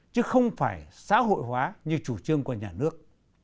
chứ không phải xã hội hóa như chủ trương của nhà nước